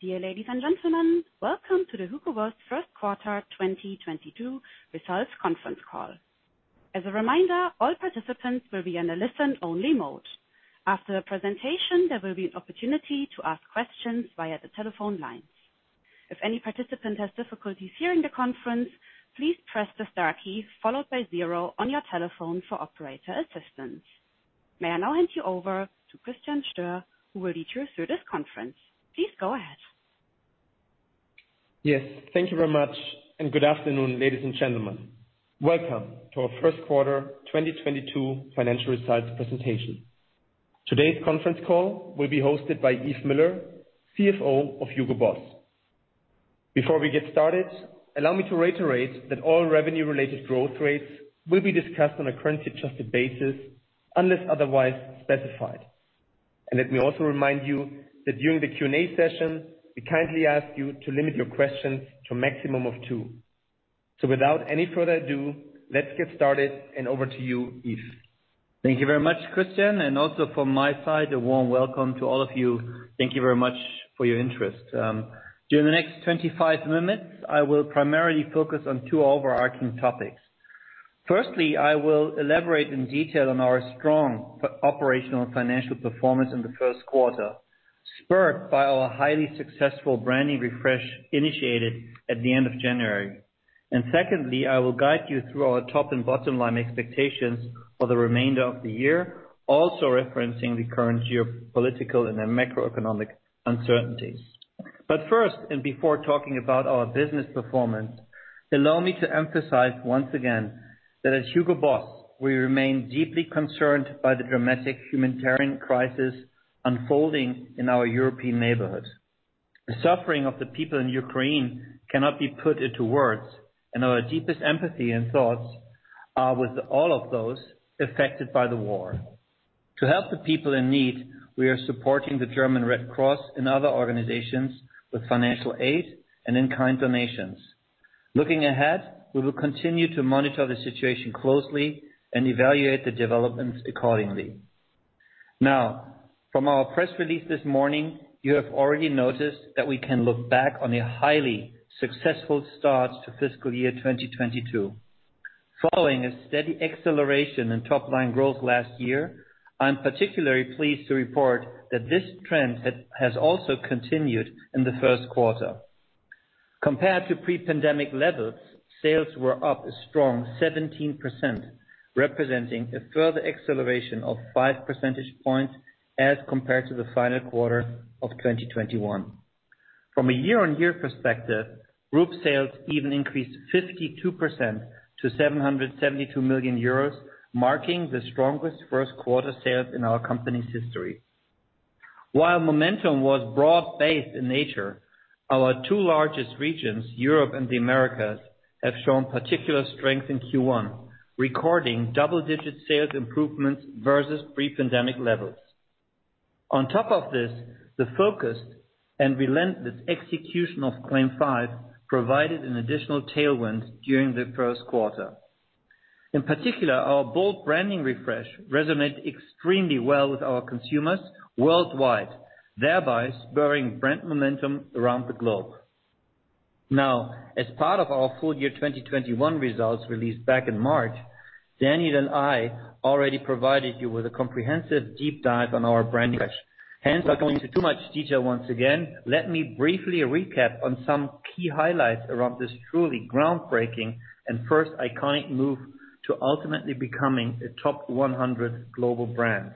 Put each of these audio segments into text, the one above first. Dear ladies and gentlemen, welcome to the Hugo Boss first quarter 2022 results conference call. As a reminder, all participants will be on a listen-only mode. After the presentation, there will be an opportunity to ask questions via the telephone lines. If any participant has difficulties hearing the conference, please press the star key followed by zero on your telephone for operator assistance. May I now hand you over to Christian Stöhr, who will lead you through this conference. Please go ahead. Yes. Thank you very much, and good afternoon, ladies and gentlemen. Welcome to our first quarter 2022 financial results presentation. Today's conference call will be hosted by Yves Müller, CFO of Hugo Boss. Before we get started, allow me to reiterate that all revenue related growth rates will be discussed on a currency adjusted basis unless otherwise specified. Let me also remind you that during the Q&A session, we kindly ask you to limit your questions to a maximum of two. Without any further ado, let's get started, and over to you, Yves. Thank you very much, Christian, and also from my side, a warm welcome to all of you. Thank you very much for your interest. During the next 25 minutes, I will primarily focus on two overarching topics. Firstly, I will elaborate in detail on our strong operational and financial performance in the first quarter, spurred by our highly successful branding refresh initiated at the end of January. Secondly, I will guide you through our top and bottom line expectations for the remainder of the year, also referencing the current geopolitical and macroeconomic uncertainties. First, and before talking about our business performance, allow me to emphasize once again that at Hugo Boss, we remain deeply concerned by the dramatic humanitarian crisis unfolding in our European neighborhood. The suffering of the people in Ukraine cannot be put into words, and our deepest empathy and thoughts are with all of those affected by the war. To help the people in need, we are supporting the German Red Cross and other organizations with financial aid and in-kind donations. Looking ahead, we will continue to monitor the situation closely and evaluate the developments accordingly. Now, from our press release this morning, you have already noticed that we can look back on a highly successful start to fiscal year 2022. Following a steady acceleration in top line growth last year, I'm particularly pleased to report that this trend has also continued in the first quarter. Compared to pre-pandemic levels, sales were up a strong 17%, representing a further acceleration of five percentage points as compared to the final quarter of 2021. From a year-on-year perspective, group sales even increased 52% to 772 million euros, marking the strongest first quarter sales in our company's history. While momentum was broad-based in nature, our two largest regions, Europe and the Americas, have shown particular strength in Q1, recording double-digit sales improvements versus pre-pandemic levels. On top of this, the focused and relentless execution of CLAIM 5 provided an additional tailwind during the first quarter. In particular, our bold branding refresh resonated extremely well with our consumers worldwide, thereby spurring brand momentum around the globe. Now, as part of our full year 2021 results released back in March, Daniel and I already provided you with a comprehensive deep dive on our brand refresh. Hence, without going into too much detail once again, let me briefly recap on some key highlights around this truly groundbreaking and first iconic move to ultimately becoming a top 100 global brand.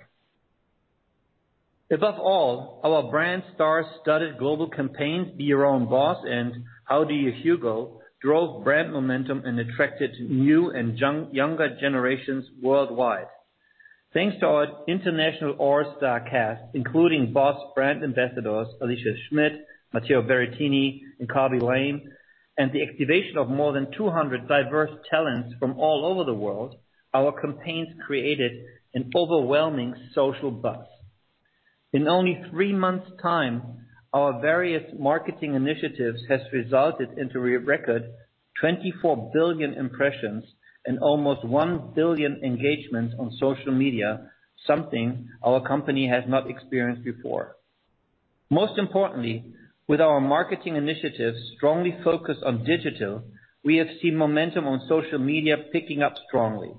Above all, our brand star-studded global campaign, Be Your Own BOSS, and How Do You HUGO, drove brand momentum and attracted new and younger generations worldwide. Thanks to our international all-star cast, including BOSS brand ambassadors Alica Schmidt, Matteo Berrettini, and Khaby Lame, and the activation of more than 200 diverse talents from all over the world, our campaigns created an overwhelming social buzz. In only three months time, our various marketing initiatives has resulted into a record 24 billion impressions and almost 1 billion engagements on social media, something our company has not experienced before. Most importantly, with our marketing initiatives strongly focused on digital, we have seen momentum on social media picking up strongly.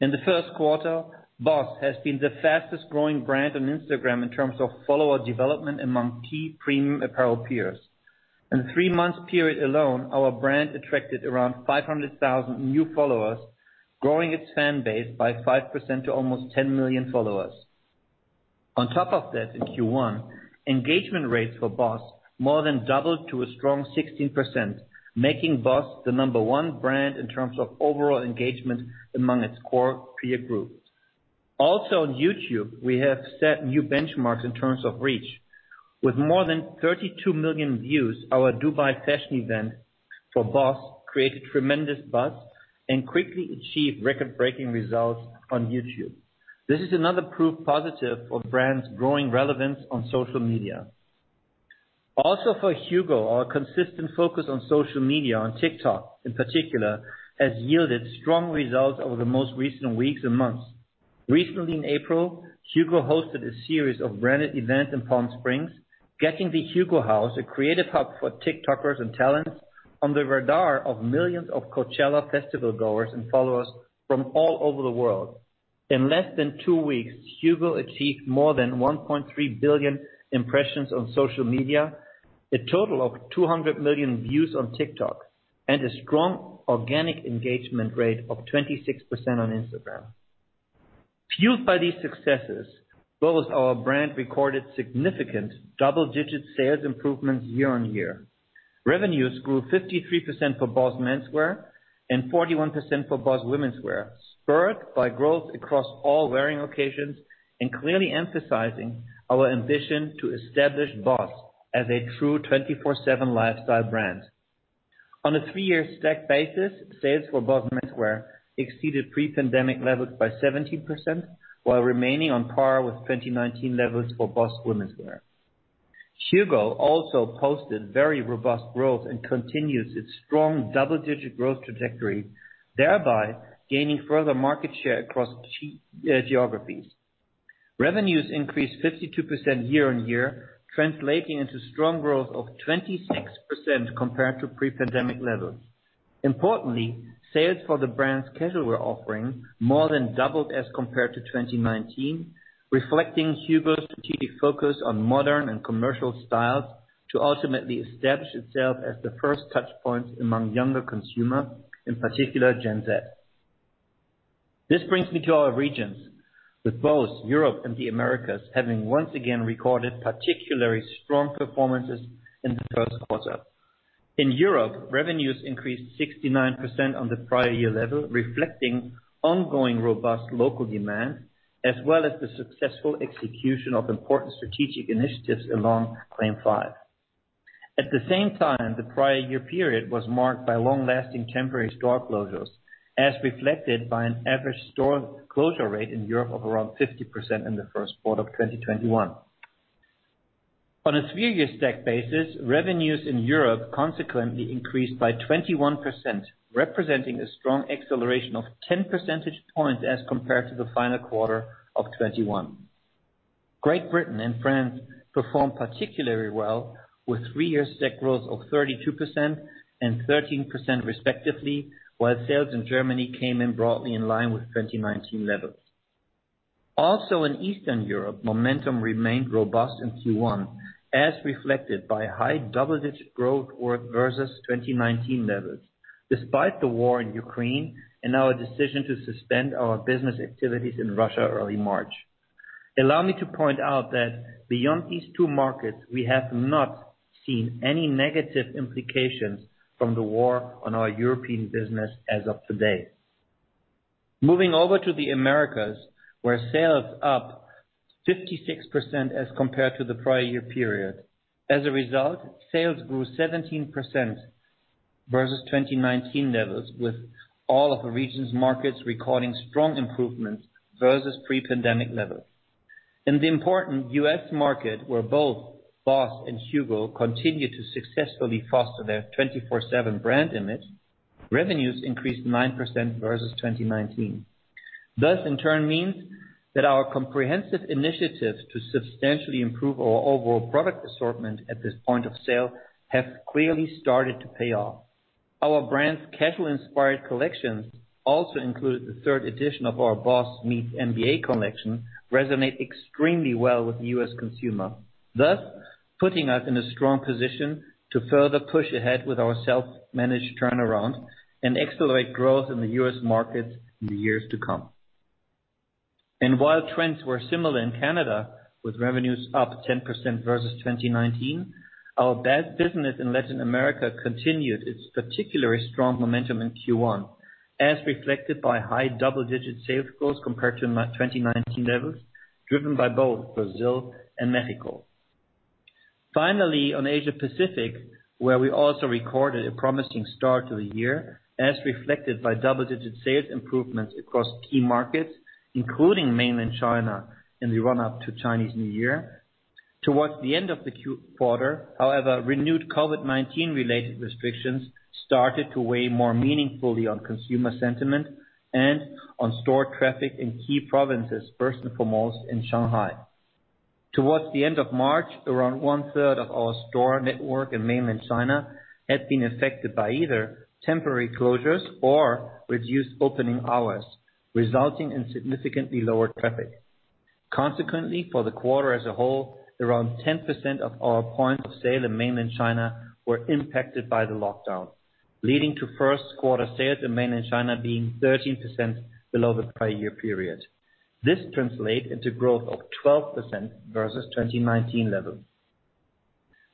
In the first quarter, BOSS has been the fastest growing brand on Instagram in terms of follower development among key premium apparel peers. In the three-month period alone, our brand attracted around 500,000 new followers, growing its fan base by 5% to almost 10 million followers. On top of this, in Q1, engagement rates for BOSS more than doubled to a strong 16%, making BOSS the number one brand in terms of overall engagement among its core peer group. Also on YouTube, we have set new benchmarks in terms of reach. With more than 32 million views, our Dubai fashion event for BOSS created tremendous buzz and quickly achieved record-breaking results on YouTube. This is another proof positive of brand's growing relevance on social media. For HUGO, our consistent focus on social media, on TikTok in particular, has yielded strong results over the most recent weeks and months. Recently in April, HUGO hosted a series of branded events in Palm Springs, getting the HUGO House, a creative hub for TikTokers and talents on the radar of millions of Coachella Festival goers and followers from all over the world. In less than two weeks, HUGO achieved more than 1.3 billion impressions on social media, a total of 200 million views on TikTok, and a strong organic engagement rate of 26% on Instagram. Fueled by these successes, both our brand recorded significant double-digit sales improvements year-over-year. Revenues grew 53% for BOSS Menswear and 41% for BOSS Womenswear, spurred by growth across all wearing occasions and clearly emphasizing our ambition to establish BOSS as a true 24/7 lifestyle brand. On a three-year stacked basis, sales for BOSS Menswear exceeded pre-pandemic levels by 17% while remaining on par with 2019 levels for BOSS Womenswear. HUGO also posted very robust growth and continues its strong double-digit growth trajectory, thereby gaining further market share across geographies. Revenues increased 52% year-on-year, translating into strong growth of 26% compared to pre-pandemic levels. Importantly, sales for the brand's casual wear offering more than doubled as compared to 2019, reflecting HUGO's strategic focus on modern and commercial styles to ultimately establish itself as the first touchpoint among younger consumers, in particular Gen Z. This brings me to our regions with both Europe and the Americas having once again recorded particularly strong performances in the first quarter. In Europe, revenues increased 69% on the prior year level, reflecting ongoing robust local demand as well as the successful execution of important strategic initiatives along CLAIM 5. At the same time, the prior year period was marked by long-lasting temporary store closures, as reflected by an average store closure rate in Europe of around 50% in the first quarter of 2021. On a three-year stacked basis, revenues in Europe consequently increased by 21%, representing a strong acceleration of 10 percentage points as compared to the final quarter of 2021. Great Britain and France performed particularly well with three-year stack growth of 32% and 13% respectively, while sales in Germany came in broadly in line with 2019 levels. In Eastern Europe, momentum remained robust in Q1 as reflected by high double-digit growth versus 2019 levels despite the war in Ukraine and our decision to suspend our business activities in Russia early March. Allow me to point out that beyond these two markets, we have not seen any negative implications from the war on our European business as of today. Moving over to the Americas, where sales up 56% as compared to the prior year period. As a result, sales grew 17% versus 2019 levels, with all of the region's markets recording strong improvements versus pre-pandemic levels. In the important U.S. market, where both BOSS and HUGO continue to successfully foster their 24/7 brand image, revenues increased 9% versus 2019. Thus, in turn means that our comprehensive initiatives to substantially improve our overall product assortment at this point of sale have clearly started to pay off. Our brand's casual inspired collections also included the third edition of our BOSS x NBA collection resonate extremely well with the U.S. consumer, thus putting us in a strong position to further push ahead with our self-managed turnaround and accelerate growth in the U.S. market in the years to come. While trends were similar in Canada, with revenues up 10% versus 2019, our best business in Latin America continued its particularly strong momentum in Q1, as reflected by high double-digit sales growth compared to 2019 levels, driven by both Brazil and Mexico. Finally, on Asia-Pacific, where we also recorded a promising start to the year, as reflected by double-digit sales improvements across key markets, including Mainland China in the run-up to Chinese New Year. Towards the end of the quarter, however, renewed COVID-19 related restrictions started to weigh more meaningfully on consumer sentiment and on store traffic in key provinces, first and foremost in Shanghai. Towards the end of March, around one-third of our store network in Mainland China had been affected by either temporary closures or reduced opening hours, resulting in significantly lower traffic. Consequently, for the quarter as a whole, around 10% of our points of sale in Mainland China were impacted by the lockdown, leading to first quarter sales in Mainland China being 13% below the prior year period. This translate into growth of 12% versus 2019 levels.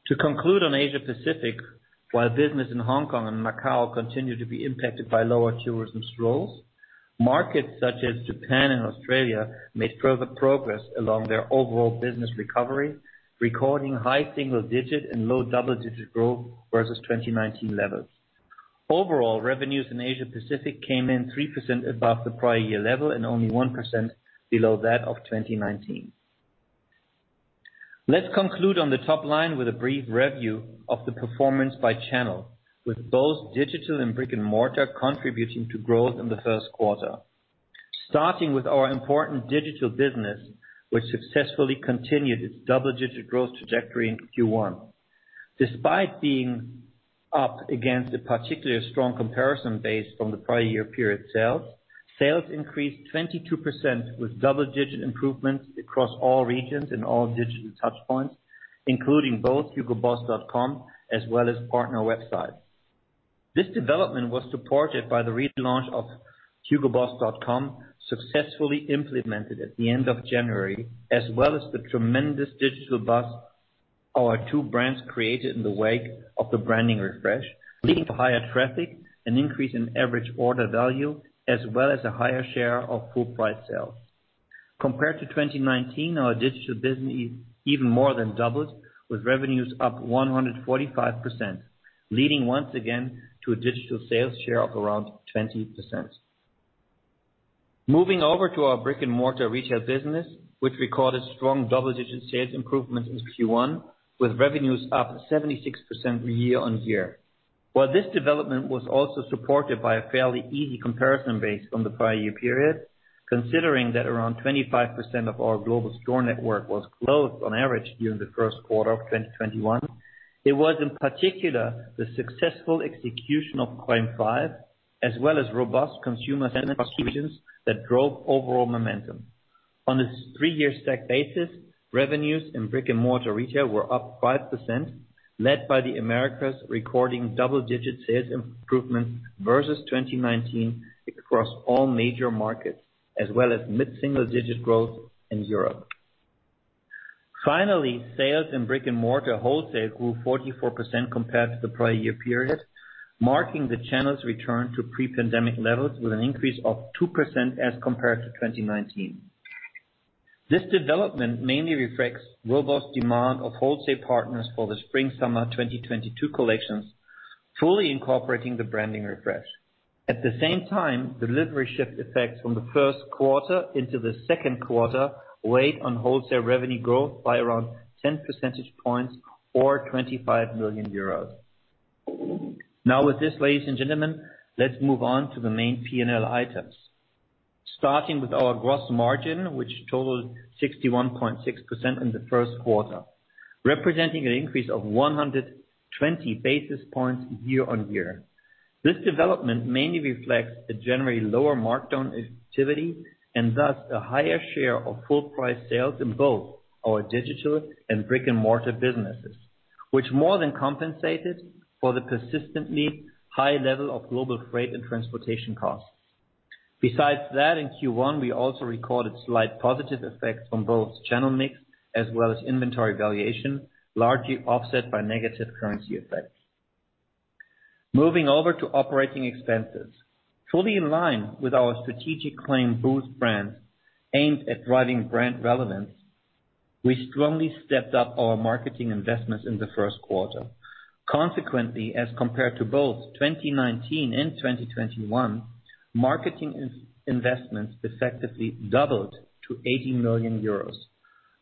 To conclude on Asia-Pacific, while business in Hong Kong and Macau continue to be impacted by lower tourism flows, markets such as Japan and Australia made further progress along their overall business recovery, recording high single-digit and low double-digit growth versus 2019 levels. Overall, revenues in Asia-Pacific came in 3% above the prior year level and only 1% below that of 2019. Let's conclude on the top line with a brief review of the performance by channel, with both digital and brick-and-mortar contributing to growth in the first quarter. Starting with our important digital business, which successfully continued its double-digit growth trajectory in Q1. Despite being up against a particularly strong comparison base from the prior year period sales increased 22% with double-digit improvements across all regions and all digital touch points, including both hugoboss.com as well as partner websites. This development was supported by the relaunch of hugoboss.com, successfully implemented at the end of January, as well as the tremendous digital buzz our two brands created in the wake of the branding refresh, leading to higher traffic, an increase in average order value, as well as a higher share of full price sales. Compared to 2019, our digital business even more than doubled, with revenues up 145%, leading once again to a digital sales share of around 20%. Moving over to our brick-and-mortar retail business, which recorded strong double-digit sales improvements in Q1, with revenues up 76% year-on-year. While this development was also supported by a fairly easy comparison base from the prior year period, considering that around 25% of our global store network was closed on average during the first quarter of 2021, it was in particular the successful execution of CLAIM 5 as well as robust consumer sentiment that drove overall momentum. On a three-year stack basis, revenues in brick-and-mortar retail were up 5% led by the Americas recording double-digit sales improvements versus 2019 across all major markets, as well as mid-single digit growth in Europe. Finally, sales in brick-and-mortar wholesale grew 44% compared to the prior year period, marking the channel's return to pre-pandemic levels with an increase of 2% as compared to 2019. This development mainly reflects robust demand of wholesale partners for the spring/summer 2022 collections, fully incorporating the branding refresh. At the same time, delivery shift effects from the first quarter into the second quarter weighed on wholesale revenue growth by around 10 percentage points or 25 million euros. Now, with this, ladies and gentlemen, let's move on to the main P&L items. Starting with our gross margin, which totaled 61.6% in the first quarter, representing an increase of 120 basis points year-on-year. This development mainly reflects a generally lower markdown activity and thus a higher share of full price sales in both our digital and brick-and-mortar businesses, which more than compensated for the persistently high level of global freight and transportation costs. Besides that, in Q1, we also recorded slight positive effects on both channel mix as well as inventory valuation, largely offset by negative currency effects. Moving over to operating expenses. Fully in line with our strategic Claim 5 Boost Brands aimed at driving brand relevance, we strongly stepped up our marketing investments in the first quarter. Consequently, as compared to both 2019 and 2021, marketing investments effectively doubled to 80 million euros.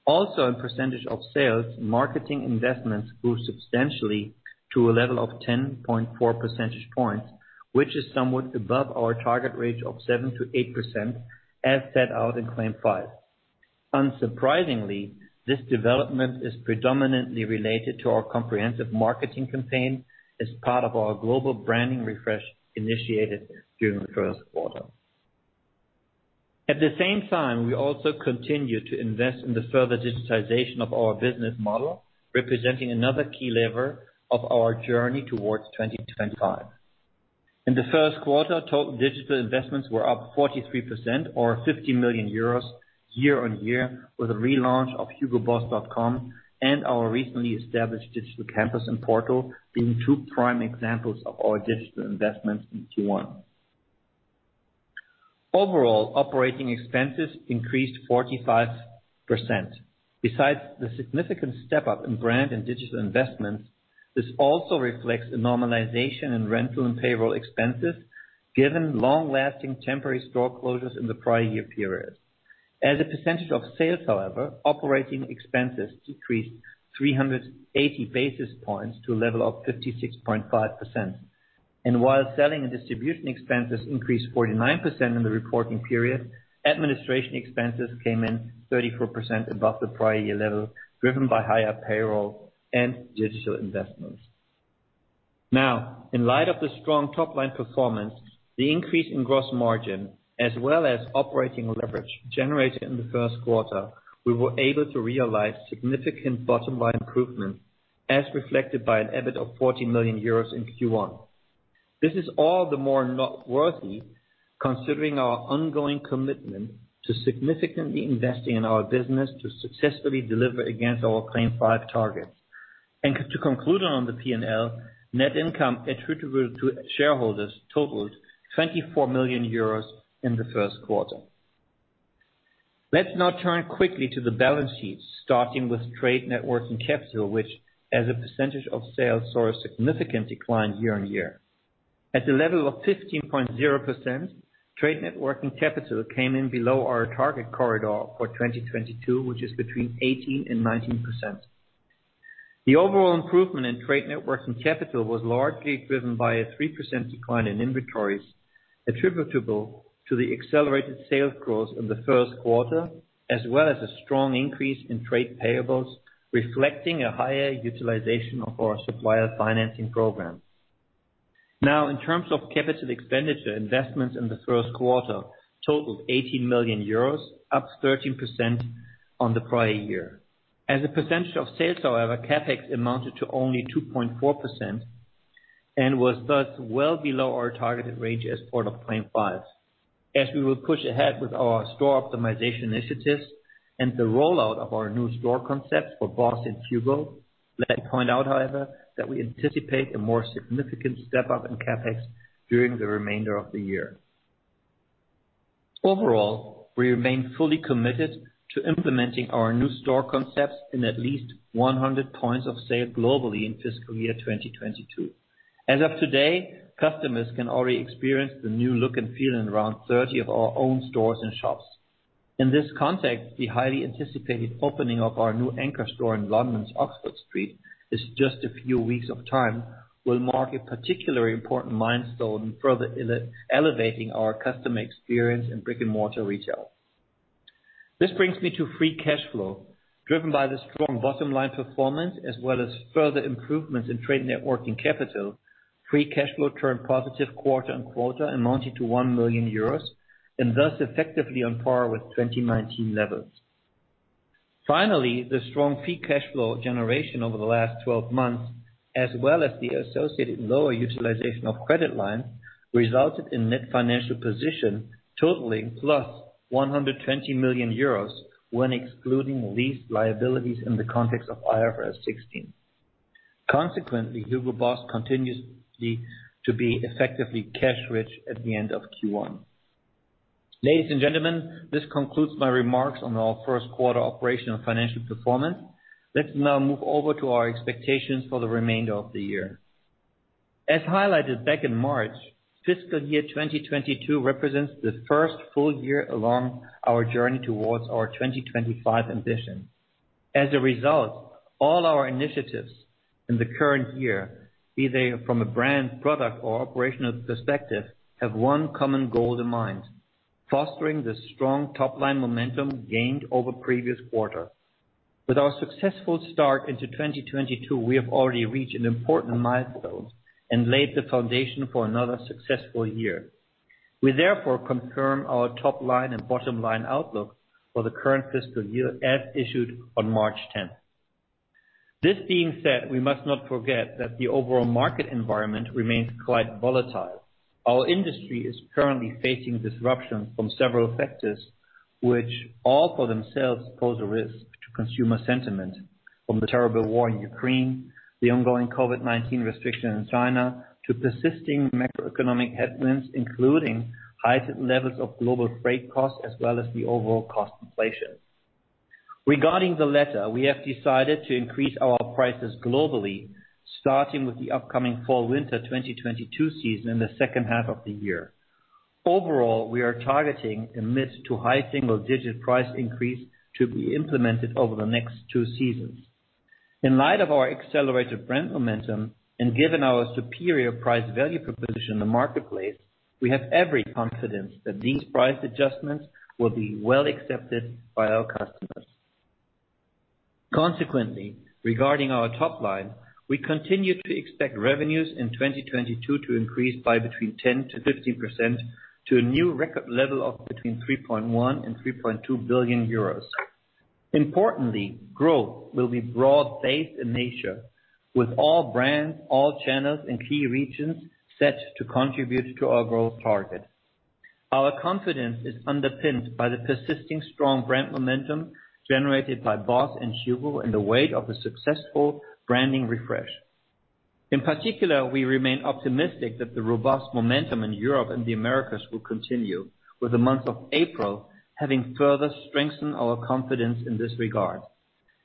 Also, as a percentage of sales, marketing investments grew substantially to a level of 10.4 percentage points, which is somewhat above our target range of 7%-8% as set out in Claim 5. Unsurprisingly, this development is predominantly related to our comprehensive marketing campaign as part of our global branding refresh initiated during the first quarter. At the same time, we also continue to invest in the further digitization of our business model, representing another key lever of our journey towards 2025. In the first quarter, total digital investments were up 43% or 50 million euros year-on-year with a relaunch of hugoboss.com and our recently established Digital Campus in Porto being two prime examples of our digital investments in Q1. Overall, operating expenses increased 45%. Besides the significant step up in brand and digital investments, this also reflects a normalization in rental and payroll expenses given long-lasting temporary store closures in the prior year periods. As a percentage of sales, however, operating expenses decreased 380 basis points to a level of 56.5%. While selling and distribution expenses increased 49% in the reporting period, administration expenses came in 34% above the prior year level, driven by higher payroll and digital investments. Now, in light of the strong top-line performance, the increase in gross margin as well as operating leverage generated in the first quarter, we were able to realize significant bottom-line improvement, as reflected by an EBIT of 40 million euros in Q1. This is all the more noteworthy considering our ongoing commitment to significantly investing in our business to successfully deliver against our Claim Five targets. To conclude on the P&L, net income attributable to shareholders totaled 24 million euros in the first quarter. Let's now turn quickly to the balance sheet, starting with trade net working capital, which, as a percentage of sales, saw a significant decline year-over-year. At the level of 15.0%, trade net working capital came in below our target corridor for 2022, which is between 18%-19%. The overall improvement in trade net working capital was largely driven by a 3% decline in inventories attributable to the accelerated sales growth in the first quarter, as well as a strong increase in trade payables, reflecting a higher utilization of our supplier financing programs. Now in terms of capital expenditure, investments in the first quarter totaled 18 million euros, up 13% on the prior year. As a percentage of sales, however, CapEx amounted to only 2.4% and was thus well below our targeted range as part of CLAIM 5. As we will push ahead with our store optimization initiatives and the rollout of our new store concepts for BOSS and HUGO, let me point out, however, that we anticipate a more significant step up in CapEx during the remainder of the year. Overall, we remain fully committed to implementing our new store concepts in at least 100 points of sale globally in fiscal year 2022. As of today, customers can already experience the new look and feel in around 30 of our own stores and shops. In this context, the highly anticipated opening of our new anchor store in London's Oxford Street is just a few weeks away. Will mark a particularly important milestone in further elevating our customer experience in brick-and-mortar retail. This brings me to free cash flow. Driven by the strong bottom-line performance as well as further improvements in trade net working capital, free cash flow turned positive quarter-on-quarter amounting to 1 million euros and thus effectively on par with 2019 levels. Finally, the strong free cash flow generation over the last 12 months, as well as the associated lower utilization of credit line, resulted in net financial position totaling plus 120 million euros when excluding lease liabilities in the context of IFRS 16. Consequently, Hugo Boss continues to be effectively cash rich at the end of Q1. Ladies and gentlemen, this concludes my remarks on our first quarter operational and financial performance. Let's now move over to our expectations for the remainder of the year. As highlighted back in March, fiscal year 2022 represents the first full year along our journey towards our 2025 ambition. As a result, all our initiatives in the current year, be they from a brand, product or operational perspective, have one common goal in mind. Fostering the strong top-line momentum gained over previous quarters. With our successful start into 2022, we have already reached an important milestone and laid the foundation for another successful year. We therefore confirm our top line and bottom line outlook for the current fiscal year as issued on March 10. This being said, we must not forget that the overall market environment remains quite volatile. Our industry is currently facing disruption from several factors which all by themselves pose a risk to consumer sentiment from the terrible war in Ukraine, the ongoing COVID-19 restrictions in China, to persisting macroeconomic headwinds, including heightened levels of global freight costs as well as the overall cost inflation. Regarding the latter, we have decided to increase our prices globally, starting with the upcoming fall/winter 2022 season in the second half of the year. Overall, we are targeting a mid- to high-single-digit price increase to be implemented over the next two seasons. In light of our accelerated brand momentum and given our superior price value proposition in the marketplace, we have every confidence that these price adjustments will be well accepted by our customers. Consequently, regarding our top line, we continue to expect revenues in 2022 to increase by between 10%-15% to a new record level of between 3.1 billion and 3.2 billion euros. Importantly, growth will be broad-based in nature with all brands, all channels and key regions set to contribute to our growth target. Our confidence is underpinned by the persisting strong brand momentum generated by BOSS and HUGO in the wake of a successful branding refresh. In particular, we remain optimistic that the robust momentum in Europe and the Americas will continue, with the month of April having further strengthened our confidence in this regard.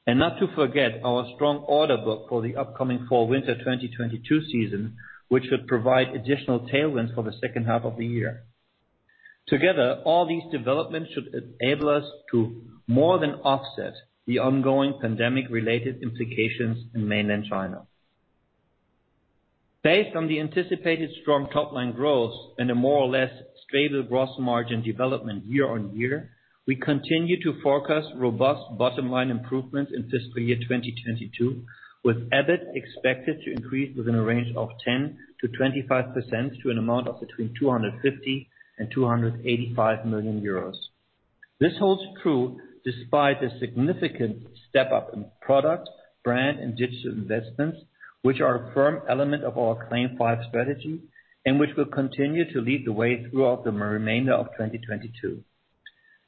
Not to forget our strong order book for the upcoming fall/winter 2022 season, which should provide additional tailwinds for the second half of the year. Together, all these developments should enable us to more than offset the ongoing pandemic related implications in mainland China. Based on the anticipated strong top line growth and a more or less stable gross margin development year-on-year, we continue to forecast robust bottom line improvements in fiscal year 2022, with EBIT expected to increase within a range of 10%-25% to an amount of between 250 million and 285 million euros. This holds true despite the significant step up in product, brand and digital investments, which are a firm element of our CLAIM 5 strategy and which will continue to lead the way throughout the remainder of 2022.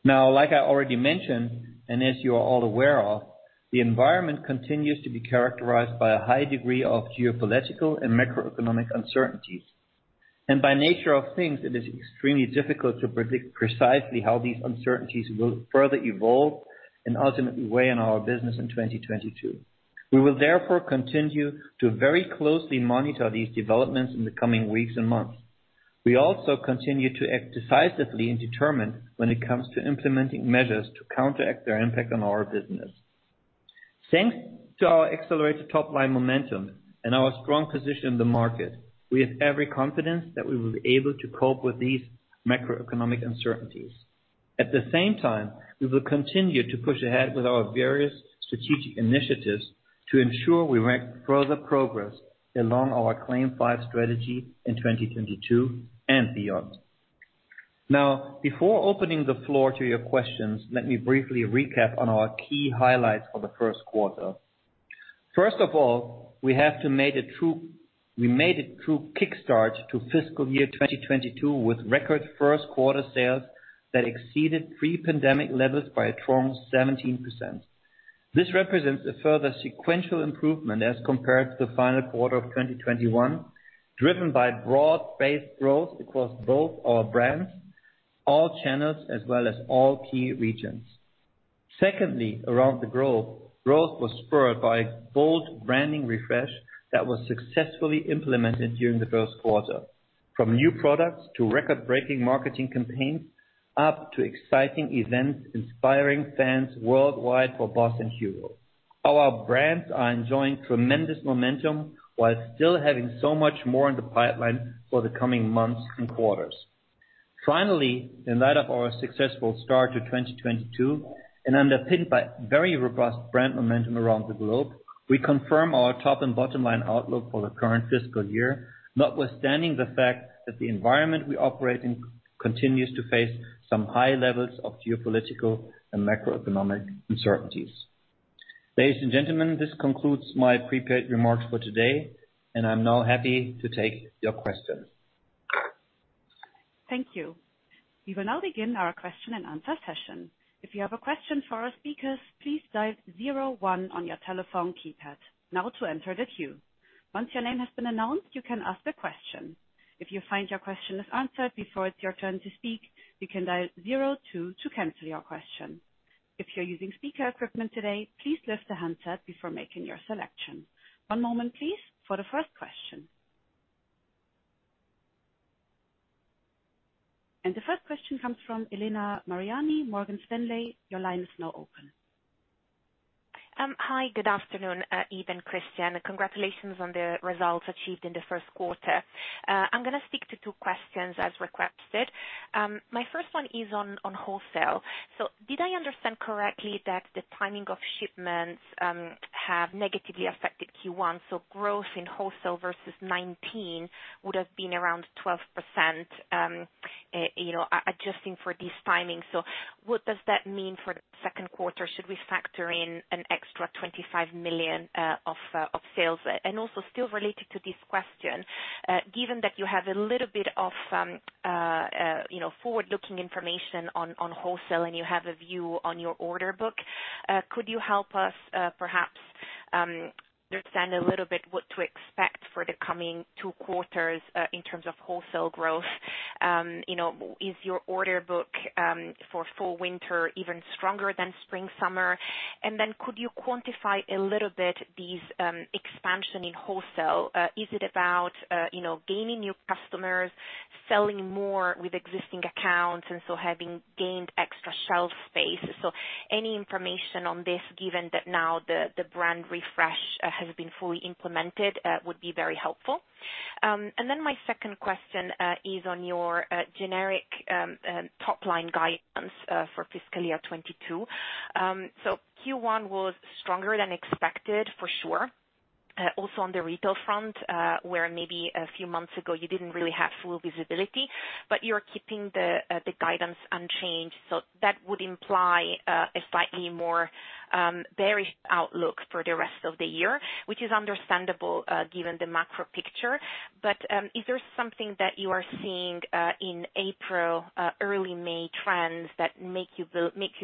Now, like I already mentioned, and as you are all aware of, the environment continues to be characterized by a high degree of geopolitical and macroeconomic uncertainties. By nature of things, it is extremely difficult to predict precisely how these uncertainties will further evolve and ultimately weigh on our business in 2022. We will therefore continue to very closely monitor these developments in the coming weeks and months. We also continue to act decisively and determined when it comes to implementing measures to counteract their impact on our business. Thanks to our accelerated top-line momentum and our strong position in the market, we have every confidence that we will be able to cope with these macroeconomic uncertainties. At the same time, we will continue to push ahead with our various strategic initiatives to ensure we make further progress along our CLAIM 5 strategy in 2022 and beyond. Now, before opening the floor to your questions, let me briefly recap on our key highlights for the first quarter. First of all, we made a true kick start to fiscal year 2022 with record first quarter sales that exceeded pre-pandemic levels by a strong 17%. This represents a further sequential improvement as compared to the final quarter of 2021, driven by broad-based growth across both our brands, all channels, as well as all key regions. Secondly, around the globe, growth was spurred by a bold branding refresh that was successfully implemented during the first quarter. From new products to record-breaking marketing campaigns, up to exciting events inspiring fans worldwide for BOSS and HUGO. Our brands are enjoying tremendous momentum while still having so much more in the pipeline for the coming months and quarters. Finally, in light of our successful start to 2022 and underpinned by very robust brand momentum around the globe, we confirm our top and bottom-line outlook for the current fiscal year, notwithstanding the fact that the environment we operate in continues to face some high levels of geopolitical and macroeconomic uncertainties. Ladies and gentlemen, this concludes my prepared remarks for today, and I'm now happy to take your questions. Thank you. We will now begin our question-and-answer session. If you have a question for our speakers, please dial zero one on your telephone keypad now to enter the queue. Once your name has been announced, you can ask a question. If you find your question is answered before it's your turn to speak, you can dial zero two to cancel your question. If you're using speaker equipment today, please lift the handset before making your selection. One moment, please, for the first question. The first question comes from Elena Mariani, Morgan Stanley. Your line is now open. Hi. Good afternoon, Yves and Christian. Congratulations on the results achieved in the first quarter. I'm gonna speak to two questions as requested. My first one is on wholesale. Did I understand correctly that the timing of shipments have negatively affected Q1, so growth in wholesale versus 2019 would have been around 12%, you know, adjusting for this timing? What does that mean for the second quarter? Should we factor in an extra 25 million of sales? Also still related to this question, given that you have a little bit of, you know, forward-looking information on wholesale and you have a view on your order book, could you help us, perhaps, understand a little bit what to expect for the coming two quarters, in terms of wholesale growth? You know, is your order book, for fall/winter even stronger than spring/summer? Then could you quantify a little bit these expansion in wholesale? Is it about, you know, gaining new customers, selling more with existing accounts and so having gained extra shelf space? Any information on this, given that now the brand refresh has been fully implemented, would be very helpful. My second question is on your organic top-line guidance for fiscal year 2022. Q1 was stronger than expected for sure, also on the retail front, where maybe a few months ago you didn't really have full visibility, but you're keeping the guidance unchanged. That would imply a slightly more varied outlook for the rest of the year, which is understandable, given the macro picture. Is there something that you are seeing in April, early May trends that make you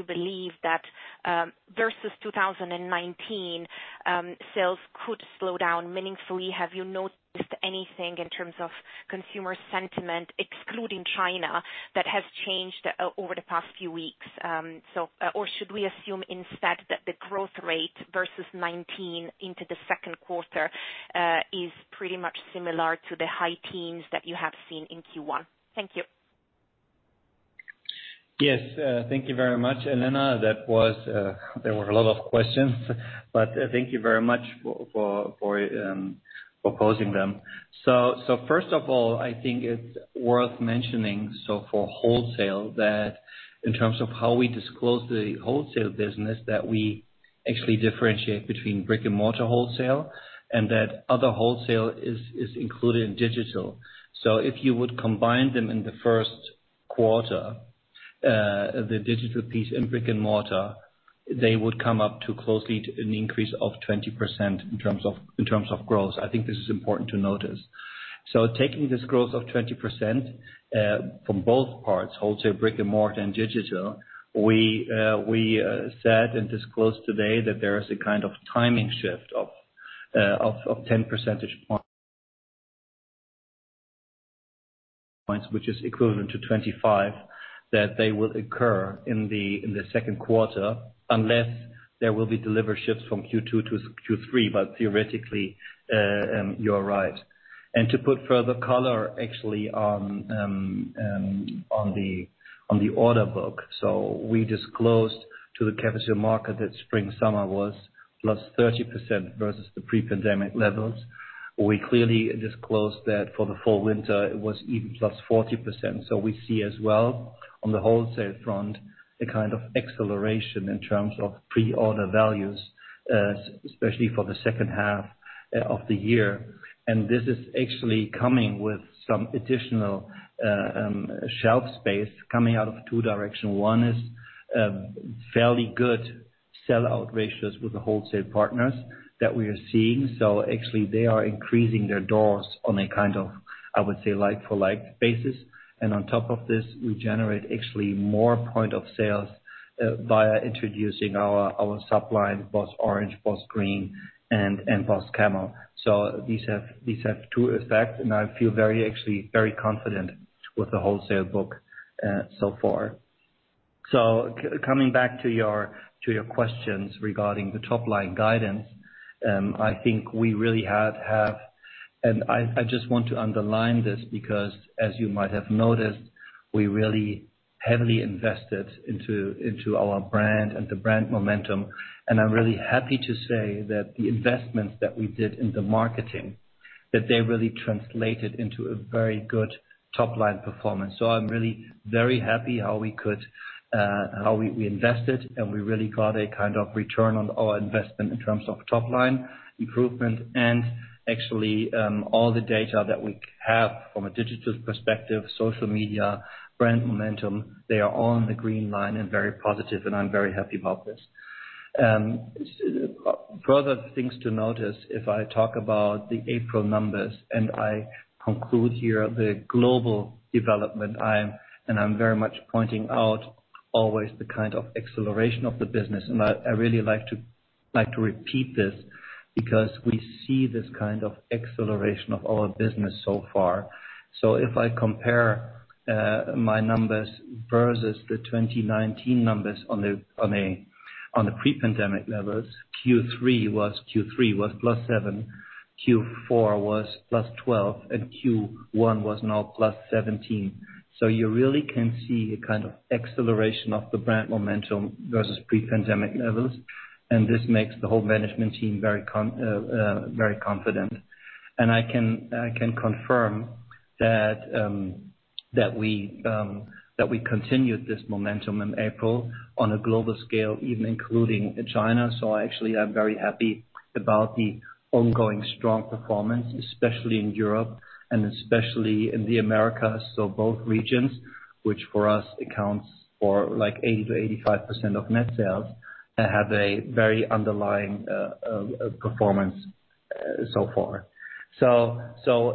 believe that, versus 2019, sales could slow down meaningfully? Have you noticed anything in terms of consumer sentiment, excluding China, that has changed over the past few weeks, or should we assume instead that the growth rate versus 2019 into the second quarter is pretty much similar to the high teens that you have seen in Q1? Thank you. Yes. Thank you very much, Elena. That was, there were a lot of questions but thank you very much for posing them. First of all, I think it's worth mentioning, for wholesale, that in terms of how we disclose the wholesale business, that we actually differentiate between brick-and-mortar wholesale and that other wholesale is included in digital. If you would combine them in the first quarter, the digital piece and brick-and-mortar, they would come up to close to an increase of 20% in terms of growth. I think this is important to notice. Taking this growth of 20% from both parts, wholesale brick-and-mortar and digital, we said and disclosed today that there is a kind of timing shift of 10 percentage points which is equivalent to 25, that they will occur in the second quarter unless there will be delivery shifts from Q2 to Q3. Theoretically, you are right. To put further color actually on the order book. We disclosed to the capital market that spring/summer was +30% versus the pre-pandemic levels. We clearly disclosed that for the fall/winter it was even +40%. We see as well on the wholesale front, a kind of acceleration in terms of pre-order values, especially for the second half of the year. This is actually coming with some additional shelf space coming out of two directions. One is fairly good sellout ratios with the wholesale partners that we are seeing. Actually they are increasing their doors on a kind of, I would say, like for like basis. On top of this, we generate actually more points of sale via introducing our sub line, BOSS Orange, BOSS Green and BOSS Camel. These have two effects, and I feel very actually very confident with the wholesale book so far. Coming back to your questions regarding the top line guidance, I think we really have. I just want to underline this because as you might have noticed, we really heavily invested into our brand and the brand momentum, and I'm really happy to say that the investments that we did in the marketing, that they really translated into a very good top line performance. I'm really very happy how we could, how we invested, and we really got a kind of return on our investment in terms of top line improvement and actually, all the data that we have from a digital perspective, social media, brand momentum, they are all on the green line and very positive, and I'm very happy about this. Further things to notice if I talk about the April numbers and I conclude here the global development. I'm very much pointing out always the kind of acceleration of the business. I really like to repeat this because we see this kind of acceleration of our business so far. If I compare my numbers versus the 2019 numbers on the pre-pandemic levels, Q3 was +7%, Q4 was +12%, and Q1 was now +17%. You really can see a kind of acceleration of the brand momentum versus pre-pandemic levels. This makes the whole management team very confident. I can confirm that we continued this momentum in April on a global scale, even including China. Actually I'm very happy about the ongoing strong performance, especially in Europe and especially in the Americas. Both regions, which for us accounts for like 80%-85% of net sales, have a very underlying performance so far.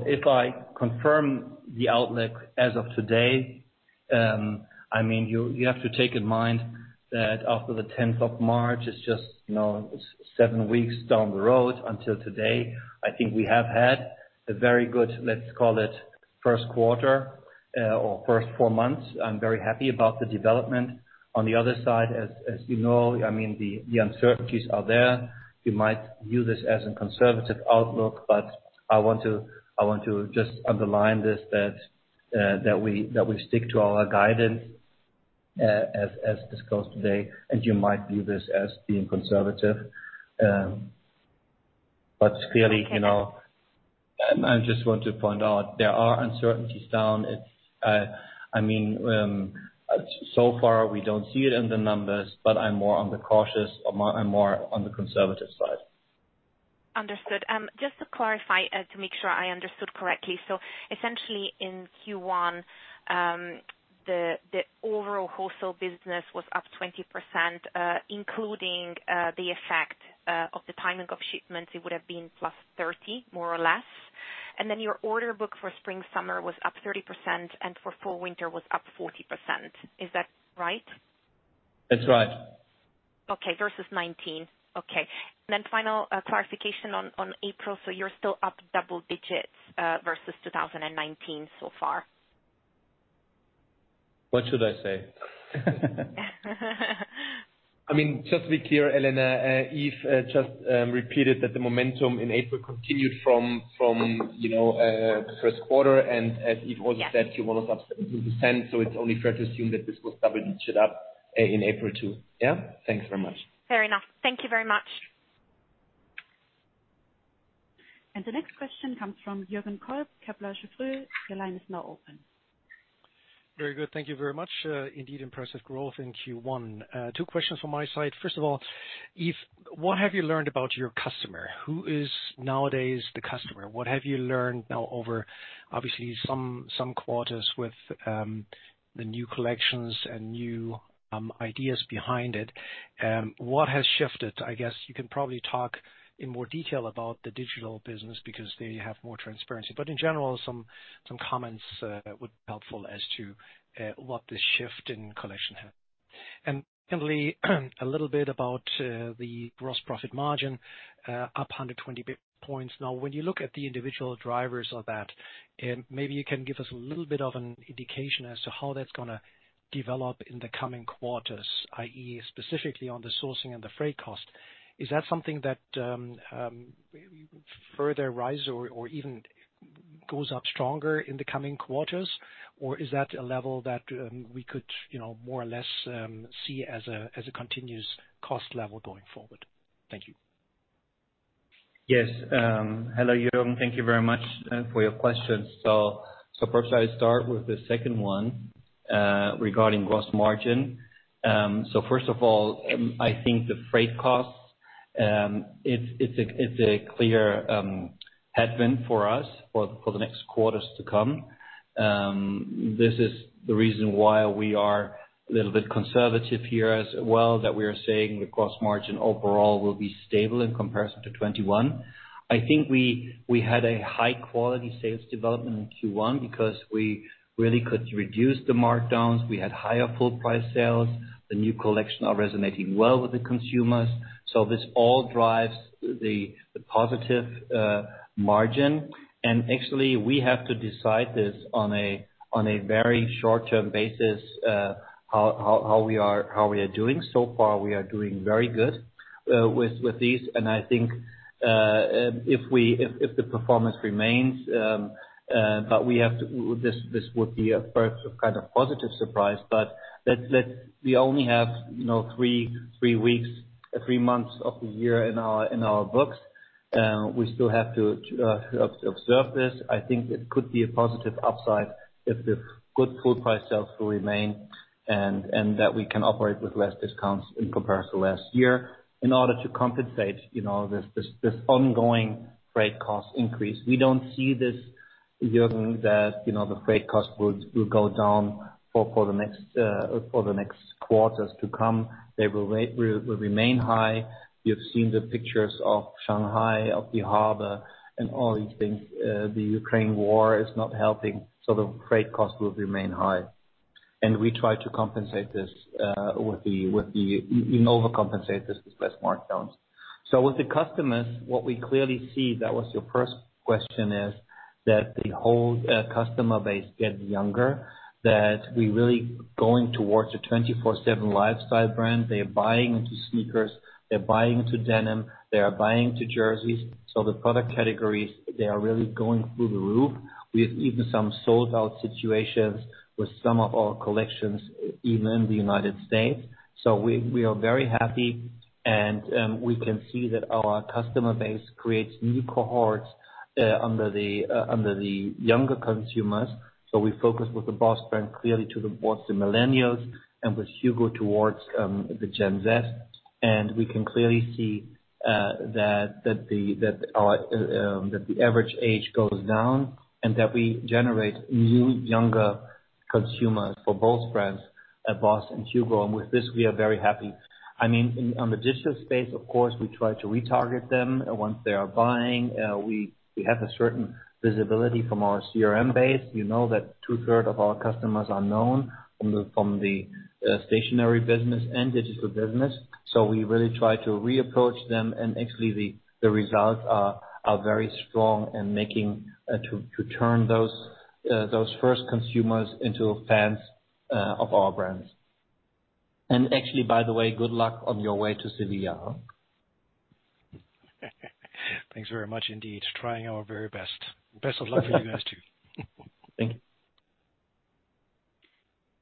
If I confirm the outlook as of today, I mean, you have to bear in mind that after the tenth of March, it's just, you know, it's seven weeks down the road until today. I think we have had a very good, let's call it first quarter or first four months. I'm very happy about the development. On the other hand, as you know, I mean, the uncertainties are there. You might view this as a conservative outlook, but I want to just underline this, that we stick to our guidance, as discussed today, and you might view this as being conservative. Clearly, you know, I just want to point out there are uncertainties down. It's I mean, so far we don't see it in the numbers, but I'm more on the cautious or more on the conservative side. Understood. Just to clarify, to make sure I understood correctly. Essentially in Q1, the overall wholesale business was up 20%, including the effect of the timing of shipments, it would have been plus 30%, more or less. Then your order book for spring/summer was up 30% and for fall/winter was up 40%. Is that right? That's right. Okay. Versus 2019. Okay. Final clarification on April. You're still up double digits versus 2019 so far? What should I say? I mean, just to be clear, Elena, Yves, just repeated that the momentum in April continued from, you know, first quarter. As Yves also said. Yeah. Q1 was up 70%, so it's only fair to assume that this was double-digit up in April too. Yeah? Thanks very much. Fair enough. Thank you very much. The next question comes from Jürgen Kolb, Kepler Cheuvreux. Your line is now open. Very good. Thank you very much. Indeed, impressive growth in Q1. Two questions from my side. First of all, Yves, what have you learned about your customer? Who is nowadays the customer? What have you learned now over obviously some quarters with the new collections and new ideas behind it? What has shifted? I guess you can probably talk in more detail about the digital business because they have more transparency. But in general, some comments would be helpful as to what the shift in collection has. Secondly, a little bit about the gross profit margin, up 120 points. Now, when you look at the individual drivers of that, and maybe you can give us a little bit of an indication as to how that's gonna develop in the coming quarters, i.e., specifically on the sourcing and the freight cost. Is that something that further rise or even goes up stronger in the coming quarters? Or is that a level that we could, you know, more or less see as a continuous cost level going forward? Thank you. Yes. Hello, Jürgen. Thank you very much for your questions. Perhaps I start with the second one regarding gross margin. First of all, I think the freight costs, it's a clear headwind for us for the next quarters to come. This is the reason why we are a little bit conservative here as well, that we are saying the gross margin overall will be stable in comparison to 2021. I think we had a high quality sales development in Q1 because we really could reduce the markdowns. We had higher full price sales. The new collection are resonating well with the consumers. This all drives the positive margin. Actually, we have to decide this on a very short-term basis, how we are doing. So far, we are doing very good with these. I think if the performance remains, but this would be perhaps a kind of positive surprise. We only have, you know, three weeks, three months of the year in our books. We still have to observe this. I think it could be a positive upside if the good full price sales will remain and that we can operate with less discounts in comparison to last year in order to compensate, you know, this ongoing freight cost increase. We don't see this, Jürgen, that, you know, the freight cost will go down for the next quarters to come. They will remain high. You've seen the pictures of Shanghai, of the harbor and all these things. The Ukraine war is not helping, so the freight cost will remain high. We try to compensate this. You know, overcompensate this with less markdowns. With the customers, what we clearly see, that was your first question, is that the whole customer base gets younger, that we really going towards a 24/7 lifestyle brand. They're buying into sneakers, they're buying into denim, they are buying into jerseys. The product categories, they are really going through the roof. We have even some sold-out situations with some of our collections, even in the United States. We are very happy, and we can see that our customer base creates new cohorts under the younger consumers. We focus with the BOSS brand clearly towards the millennials and with HUGO towards the Gen Z. We can clearly see that the average age goes down and that we generate new, younger consumers for both brands, BOSS and HUGO. With this, we are very happy. I mean, on the digital space, of course, we try to retarget them once they are buying. We have a certain visibility from our CRM base. You know that two-thirds of our customers are known from the stationary business and digital business. We really try to re-approach them. Actually the results are very strong in turning those first consumers into fans of our brands. Actually, by the way, good luck on your way to Sevilla. Thanks very much indeed. Trying our very best. Best of luck with you guys, too. Thank you.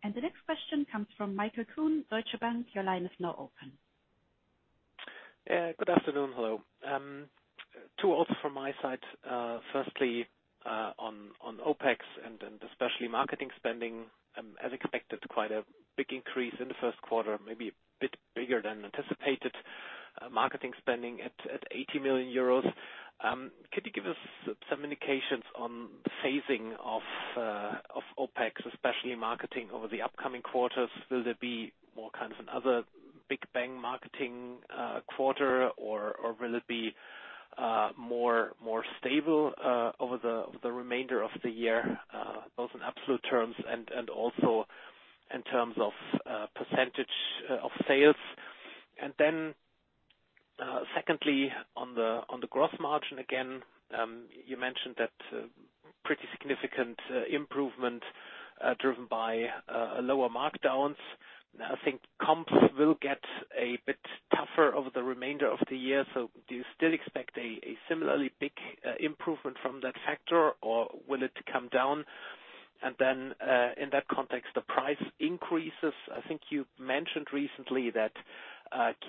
The next question comes from Michael Kuhn, Deutsche Bank. Your line is now open. Yeah, good afternoon. Hello. Two also from my side. Firstly, on OpEx and especially marketing spending, as expected, quite a big increase in the first quarter, maybe a bit bigger than anticipated. Marketing spending at 80 million euros. Could you give us some indications on the phasing of OpEx, especially in marketing over the upcoming quarters? Will there be more kinds of other big bang marketing quarter, or will it be more stable over the remainder of the year, both in absolute terms and also in terms of percentage of sales? Secondly, on the gross margin, again, you mentioned that pretty significant improvement driven by lower markdowns. I think comps will get a bit tougher over the remainder of the year. Do you still expect a similarly big improvement from that factor, or will it come down? In that context, the price increases. I think you mentioned recently that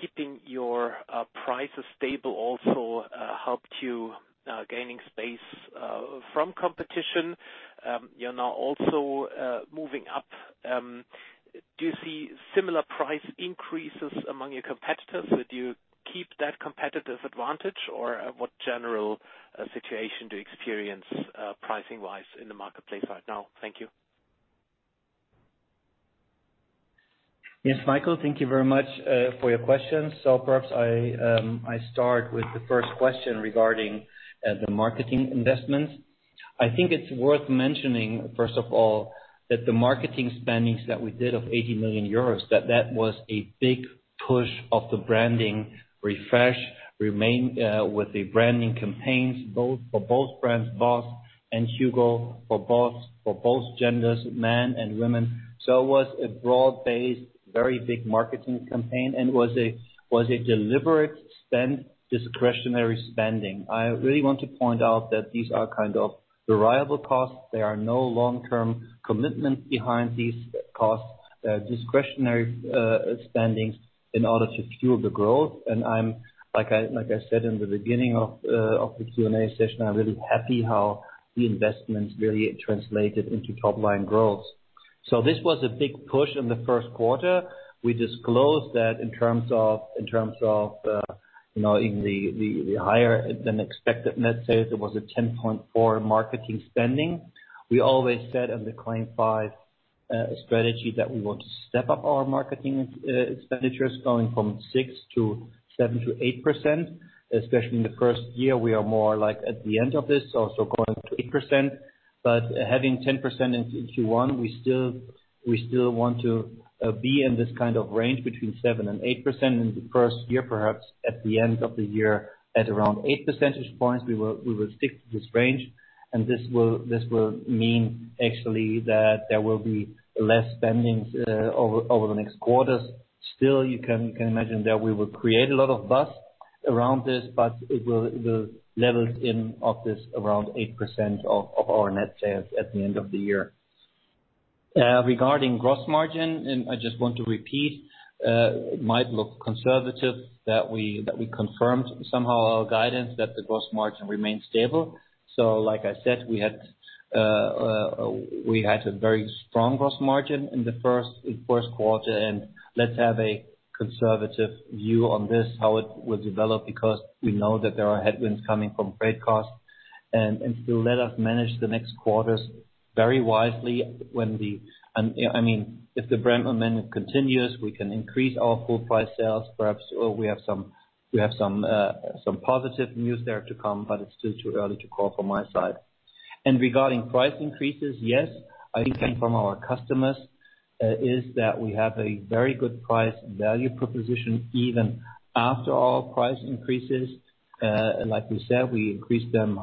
keeping your prices stable also helped you gaining space from competition. You're now also moving up. Do you see similar price increases among your competitors? Will you keep that competitive advantage, or what general situation do you experience pricing-wise in the marketplace right now? Thank you. Yes, Michael, thank you very much for your questions. Perhaps I start with the first question regarding the marketing investment. I think it's worth mentioning, first of all, that the marketing spendings that we did of 80 million euros, that was a big push of the branding refresh, remain with the branding campaigns, for both brands, BOSS and HUGO, for BOSS, for both genders, men and women. It was a broad-based, very big marketing campaign, and it was a deliberate spend, discretionary spending. I really want to point out that these are kind of variable costs. There are no long-term commitments behind these costs, discretionary spendings in order to fuel the growth. I'm like I said in the beginning of the Q&A session, I'm really happy how the investments really translated into top-line growth. This was a big push in the first quarter. We disclosed that in terms of the higher than expected net sales, there was 10.4% marketing spending. We always said in the CLAIM 5 strategy that we want to step up our marketing expenditures going from 6% to 7% to 8%, especially in the first year. We are more like at the end of this, going up to 8%. Having 10% in Q1, we still want to be in this kind of range between 7%-8% in the first year, perhaps at the end of the year at around 8 percentage points, we will stick to this range. This will mean actually that there will be less spending over the next quarters. Still, you can imagine that we will create a lot of buzz around this, but it will level in of this around 8% of our net sales at the end of the year. Regarding gross margin, and I just want to repeat, it might look conservative that we confirmed somehow our guidance that the gross margin remains stable. Like I said, we had a very strong gross margin in the first quarter, and let's have a conservative view on this, how it will develop, because we know that there are headwinds coming from freight costs, and to let us manage the next quarters very wisely, I mean, if the brand momentum continues, we can increase our full price sales, perhaps, or we have some positive news there to come, but it's still too early to call from my side. Regarding price increases, yes, I think from our customers is that we have a very good price value proposition, even after our price increases. Like we said, we increased them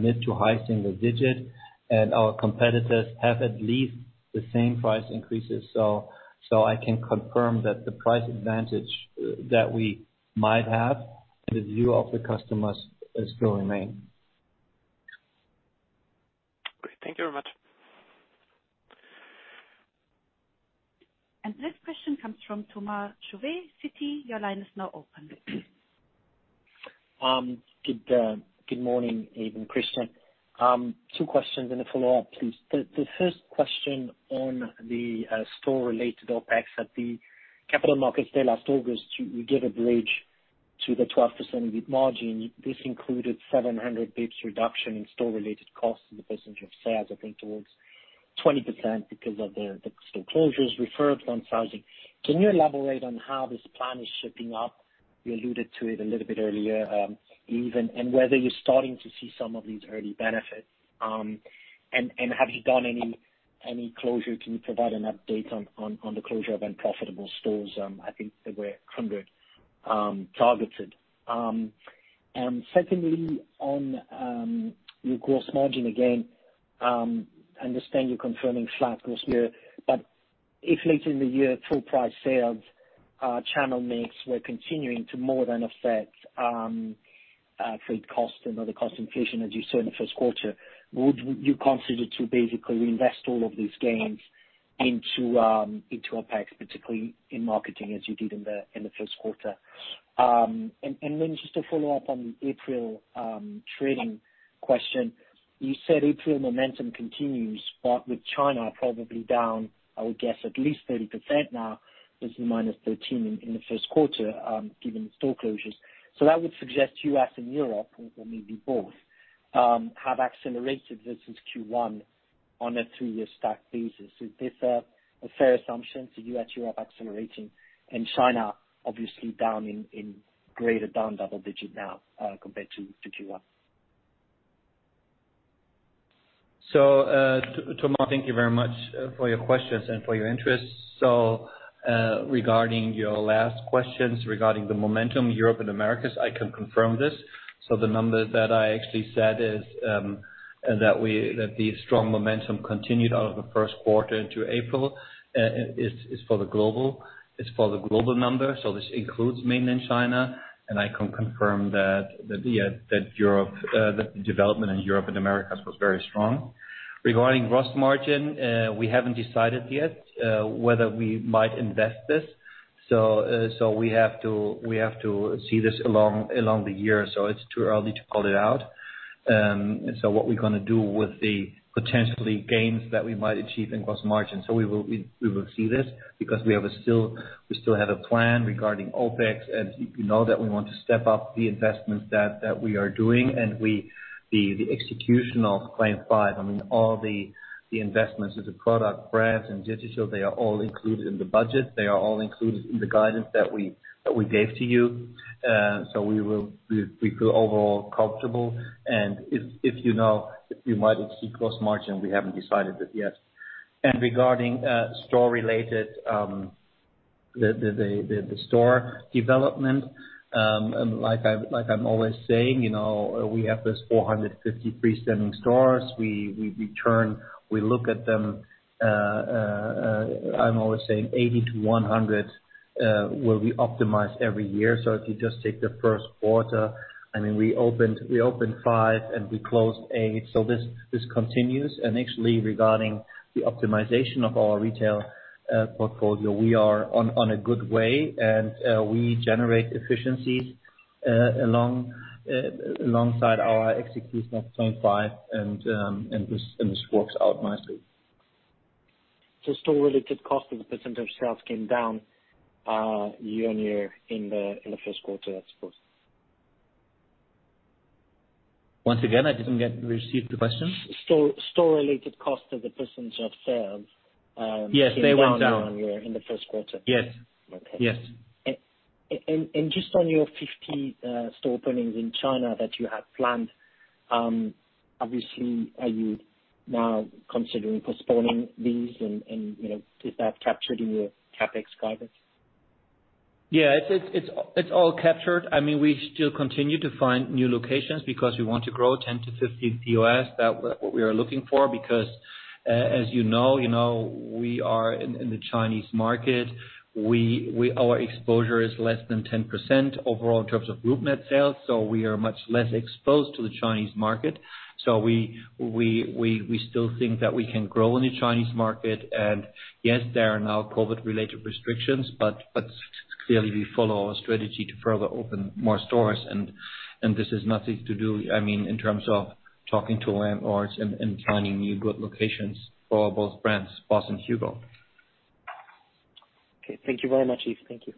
mid- to high-single-digit %, and our competitors have at least the same price increases. I can confirm that the price advantage that we might have in the view of the customers is still remain. Great. Thank you very much. Next question comes from Thomas Chauvet, Citi. Your line is now open. Good morning, Yves, Christian. Two questions and a follow-up, please. The first question on the store related OpEx at the capital markets day last August, you gave a bridge to the 12% EBIT margin. This included 700 basis points reduction in store related costs as a percentage of sales, I think towards 20% because of the store closures referred on sizing. Can you elaborate on how this plan is shaping up? You alluded to it a little bit earlier, and whether you're starting to see some of these early benefits. Have you done any closure? Can you provide an update on the closure of unprofitable stores? I think there were 100 targeted. Secondly, on your gross margin again, understand you're confirming flat gross margin. If later in the year, full price sales, channel mix, we're continuing to more than offset, freight costs and other cost inflation, as you saw in the first quarter, would you consider to basically reinvest all of these gains into OpEx, particularly in marketing as you did in the first quarter? Just to follow up on the April trading question. You said April momentum continues, but with China probably down, I would guess at least 30% now, it's minus 13% in the first quarter, given the store closures. That would suggest US and Europe, or maybe both, have accelerated versus Q1 on a three-year stack basis. Is this a fair assumption, so U.S., Europe accelerating and China obviously down in greater than double-digit now, compared to Q1? Thomas Chauvet, thank you very much for your questions and for your interest. Regarding your last questions regarding the momentum, Europe and Americas, I can confirm this. The number that I actually said is that the strong momentum continued out of the first quarter into April is for the global number. This includes mainland China, and I can confirm that the development in Europe and Americas was very strong. Regarding gross margin, we haven't decided yet whether we might invest this. We have to see this along the year. It's too early to call it out. What we're gonna do with the potential gains that we might achieve in gross margin. We will see this because we still have a plan regarding OpEx, and you know that we want to step up the investments that we are doing and the execution of CLAIM 5, I mean, all the investments in the product brands and digital, they are all included in the budget. They are all included in the guidance that we gave to you. We feel overall comfortable. If, you know, if we might achieve gross margin, we haven't decided it yet. Regarding store-related, the store development, and like I'm always saying, you know, we have these 450 freestanding stores. We turn, we look at them, I'm always saying 80-100 will be optimized every year. So if you just take the first quarter, I mean, we opened 5:00 PM and we closed 8:00 PM. So this continues. Actually, regarding the optimization of our retail portfolio, we are on a good way and we generate efficiencies alongside our execution of CLAIM 5 and this works out nicely. Store-related cost as a percentage of sales came down year-on-year in the first quarter, I suppose. Once again, I didn't receive the question. store-related cost as a percentage of sales Yes, they went down. in the first quarter. Yes. Okay. Yes. Just on your 50 store openings in China that you had planned, obviously, are you now considering postponing these and, you know, is that captured in your CapEx guidance? Yeah. It's all captured. I mean, we still continue to find new locations because we want to grow 10-15 POS. That's what we are looking for because, as you know, we are in the Chinese market. Our exposure is less than 10% overall in terms of group net sales, so we are much less exposed to the Chinese market. We still think that we can grow in the Chinese market. Yes, there are now COVID-related restrictions, but clearly we follow our strategy to further open more stores and this has nothing to do, I mean, in terms of talking to landlords and finding new good locations for both brands, BOSS and HUGO. Okay. Thank you very much, Yves. Thank you.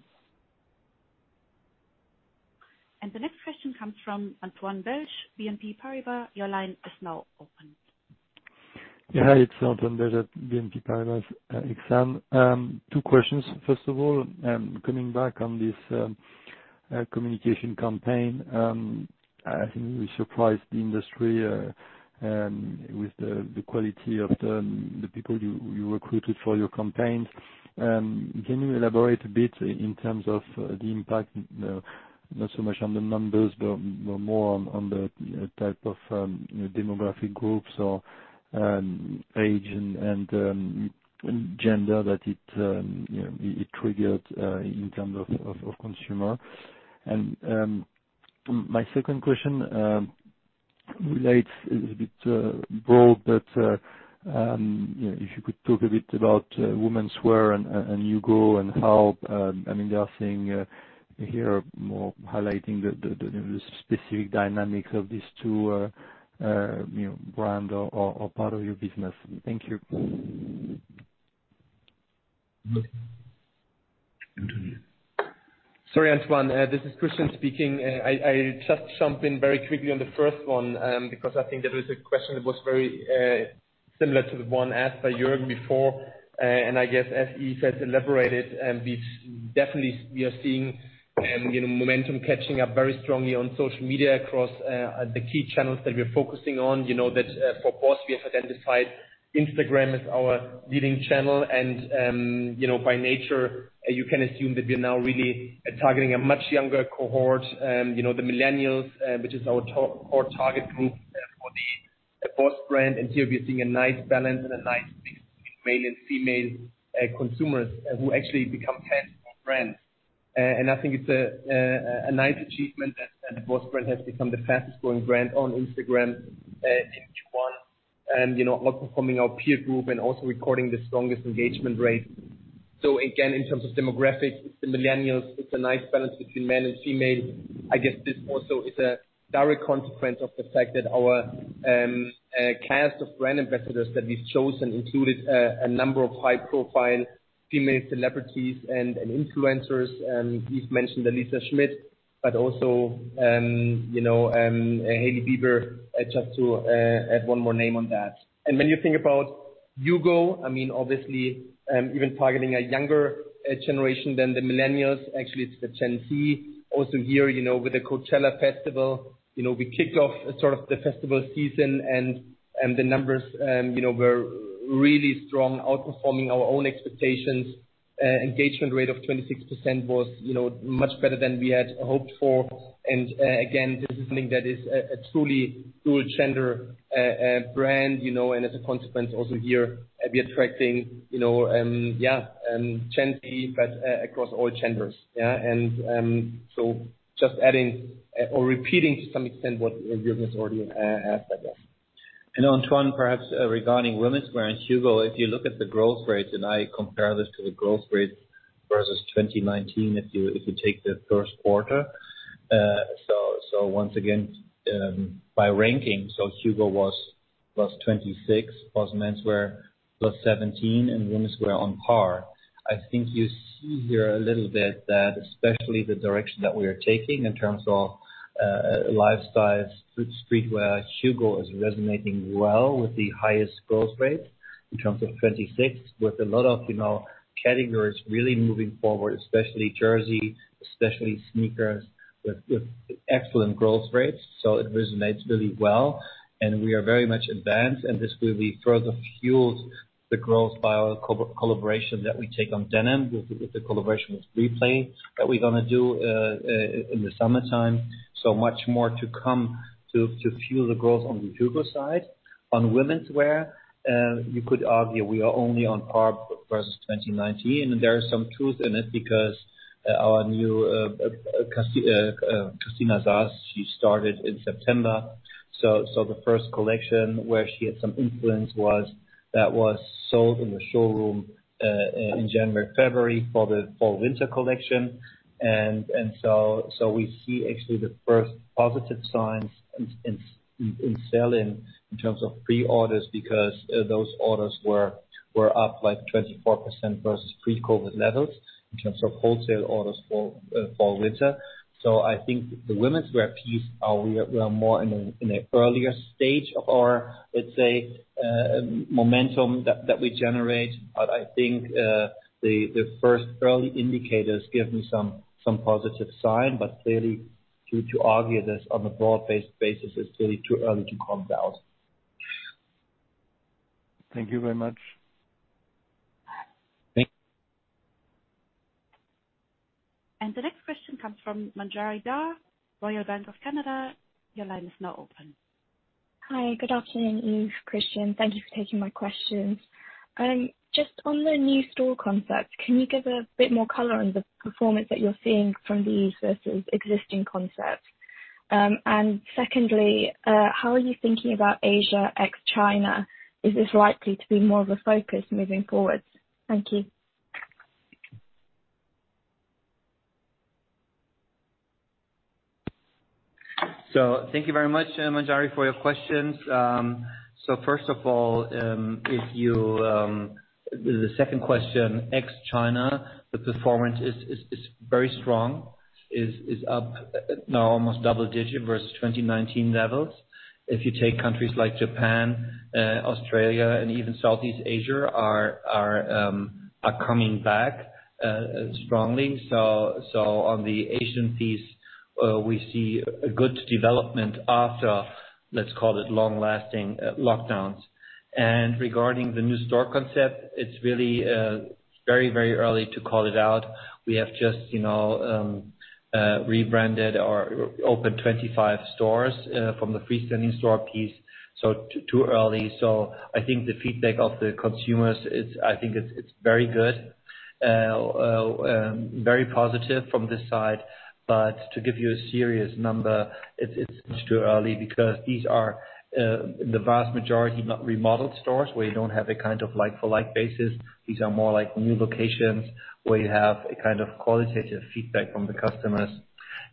The next question comes from Antoine Belge, BNP Paribas. Your line is now open. Yeah. Hi, it's Antoine Belge at BNP Paribas. Yves, two questions. First of all, coming back on this communication campaign. I think we surprised the industry with the quality of the people you recruited for your campaign. Can you elaborate a bit in terms of the impact, not so much on the numbers, but more on the type of demographic groups or age and gender that it you know it triggered in terms of consumer? My second question relates a little bit broadly, but you know, if you could talk a bit about womenswear and HUGO and how, I mean, they are saying here more highlighting the specific dynamics of these two, you know, brand or part of your business. Thank you. Sorry, Antoine Belge. This is Christian Stöhr speaking. I just jump in very quickly on the first one, because I think that was a question that was very similar to the one asked by Jürgen Kolb before. I guess as Yves Müller has elaborated, we've definitely we are seeing, you know, momentum catching up very strongly on social media across the key channels that we're focusing on. You know that for BOSS we have identified Instagram as our leading channel. You know, by nature, you can assume that we are now really targeting a much younger cohort, you know, the millennials, which is our core target group for the BOSS brand. Here we are seeing a nice balance and a nice mix between male and female consumers who actually become fans of our brands. I think it's a nice achievement that the BOSS brand has become the fastest growing brand on Instagram in Q1. You know, outperforming our peer group and also recording the strongest engagement rate. In terms of demographics, it's the millennials. It's a nice balance between male and female. I guess this also is a direct consequence of the fact that our cast of brand ambassadors that we've chosen included a number of high-profile female celebrities and influencers. Yves mentioned Alica Schmidt, but also you know Hailey Bieber, just to add one more name on that. When you think about HUGO, I mean, obviously even targeting a younger generation than the millennials, actually it's the Gen Z. Also here, you know, with the Coachella festival, you know, we kicked off sort of the festival season and the numbers, you know, were really strong, outperforming our own expectations. Engagement rate of 26% was, you know, much better than we had hoped for. Again, this is something that is a truly dual gender brand, you know, and as a consequence also here, we are attracting, you know, Gen Z, but across all genders. Yeah. So just adding or repeating to some extent what Jürgen has already asked, I guess. Antoine, perhaps, regarding womenswear and HUGO, if you look at the growth rates, and I compare this to the growth rates versus 2019, if you take the first quarter. Once again, by ranking, HUGO was +26%, BOSS Menswear +17%, and Womenswear on par. I think you see here a little bit that especially the direction that we are taking in terms of lifestyle streetwear, HUGO is resonating well with the highest growth rate in terms of 26%, with a lot of, you know, categories really moving forward, especially jersey, especially sneakers with excellent growth rates. It resonates really well. We are very much advanced, and this will be further fueled the growth by our collaboration that we take on denim with the collaboration with Replay that we're gonna do in the summertime. Much more to come to fuel the growth on the HUGO side. On womenswear, you could argue we are only on par versus 2019, and there is some truth in it because our new Kristina Szasz, She started in September. The first collection where she had some influence that was sold in the showroom in January, February for the Fall/Winter collection. We see actually the first positive signs in selling in terms of pre-orders because those orders were up like 24% versus pre-COVID levels in terms of wholesale orders for Fall/Winter. I think the womenswear piece, we are more in an earlier stage of our, let's say, momentum that we generate. I think the first early indicators give me some positive sign, but clearly to argue this on a broad-based basis is really too early to call it out. Thank you very much. Thank- The next question comes from Manjari Dhar, Royal Bank of Canada, your line is now open. Hi, good afternoon, Yves, Christian. Thank you for taking my questions. Just on the new store concepts, can you give a bit more color on the performance that you're seeing from these versus existing concepts? And secondly, how are you thinking about Asia ex-China? Is this likely to be more of a focus moving forward? Thank you. Thank you very much, Manjari, for your questions. First of all, the second question, ex-China, the performance is very strong. It is up now almost double-digit versus 2019 levels. If you take countries like Japan, Australia, and even Southeast Asia, they are coming back strongly. On the Asian piece, we see a good development after, let's call it, long-lasting lockdowns. Regarding the new store concept, it is really very early to call it out. We have just, you know, rebranded or opened 25 stores from the freestanding store piece, so too early. I think the feedback of the consumers is very good. It is very positive from this side. To give you a serious number, it's too early because these are the vast majority not remodeled stores where you don't have a kind of like for like basis. These are more like new locations where you have a kind of qualitative feedback from the customers,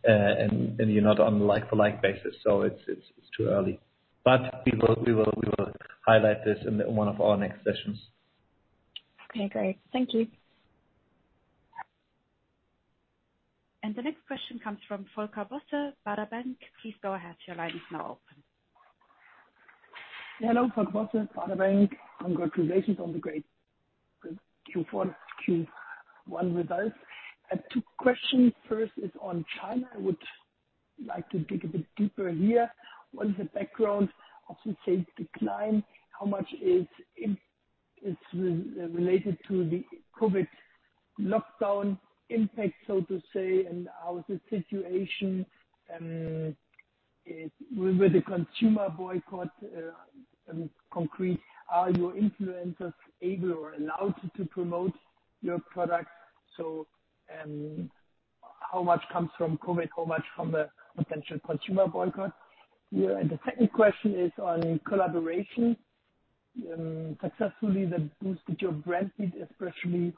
and you're not on like for like basis. It's too early. We will highlight this in one of our next sessions. Okay, great. Thank you. The next question comes from Volker Bosse, Baader Bank. Please go ahead, your line is now open. Hello, Volker Bosse, Baader Bank. Congratulations on the great Q4, Q1 results. Two questions. First is on China. I would like to dig a bit deeper here. What is the background of the sales decline? How much is related to the COVID lockdown impact, so to say? And how is the situation with the consumer boycott concrete? Are your influencers able or allowed to promote your products? So, how much comes from COVID? How much from the potential consumer boycott? And the second question is on collaboration. Successfully that boosted your brand fit, especially